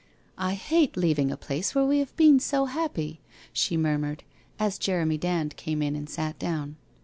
' I hate leaving a place where we have been so happy !' she murmured, as Jeremy Dand came in and sat down.